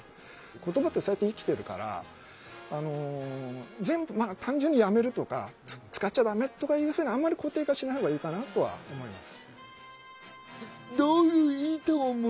言葉ってそうやって生きてるから全部まあ単純にやめるとか使っちゃダメとかいうふうにあんまり固定化しない方がいいかなとは思います。